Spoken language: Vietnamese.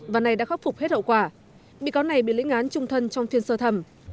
và này đã khắc phục hết hậu quả bị cáo này bị lĩnh án trung thân trong phiên sơ thẩm